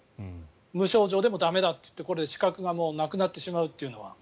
無症状でも駄目だといって資格がなくなってしまうというのは。